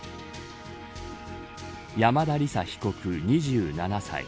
山田李沙被告、２７歳。